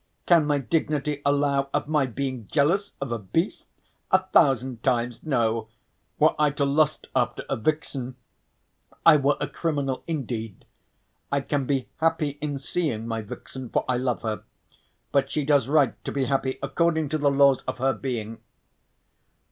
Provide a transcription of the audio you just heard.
Can my dignity allow of my being jealous of a beast? A thousand times no. Were I to lust after a vixen, I were a criminal indeed. I can be happy in seeing my vixen, for I love her, but she does right to be happy according to the laws of her being."